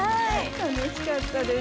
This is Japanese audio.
楽しかったです。